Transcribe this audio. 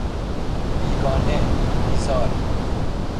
بیگانه، بیزار